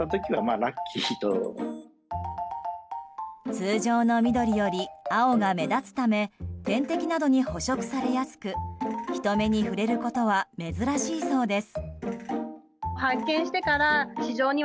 通常の緑より青が目立つため天敵などに捕食されやすく人目に触れることは珍しいそうです。